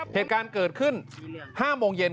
เหตุการณ์เกิดขึ้น๕โมงเย็น